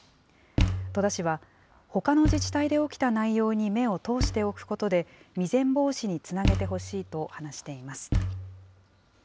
戸田市は、ほかの自治体で起きた内容に目を通しておくことで、未然防止につなげてほしいと話しています。